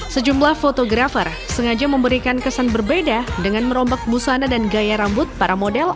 sejumlah fotografer sengaja memberikan kesan berbeda dengan merombak busana dan gaya rambut para model